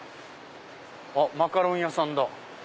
あっマカロン屋さんだ。